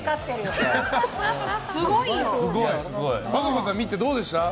和歌子さん、見てどうでした？